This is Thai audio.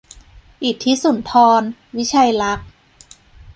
อิทธิสุนทร วิชัยลักษณ์